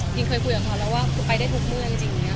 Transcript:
กิ๊มเคยคุยกับเขาแล้วว่าไปได้ทุกเมื่องจริง